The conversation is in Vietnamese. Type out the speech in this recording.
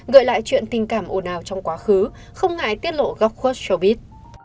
gợi lại chuyện tình cảm ồn ào trong quá khứ không ngại tiết lộ góc khuất shobit